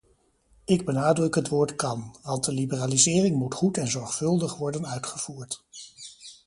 Ik benadruk het woord kan, want de liberalisering moet goed en zorgvuldig worden uitgevoerd.